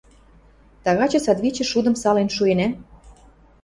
– Тагачы садвичӹ шудым сален шуэнӓ?